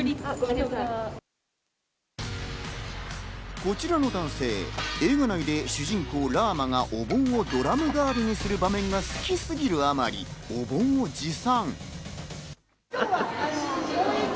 こちらの男性、映画内で主人公・ラーマがお盆をドラム代わりにする場面が好きすぎるあまり、お盆を持参。